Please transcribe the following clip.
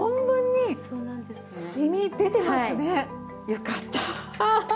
よかったあ。